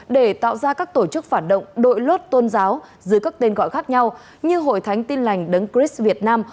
để tạo ra các tổ chức phản động đội lốt tôn giáo dưới các tên gọi khác nhau như hội thánh tin lành đấng cris việt nam